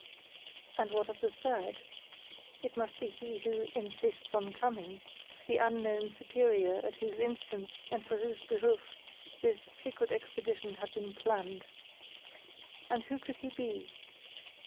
And what of the third? It must be he who "insists on coming", the unknown superior at whose instance and for whose behoof this secret expedition had been planned. And who could he be?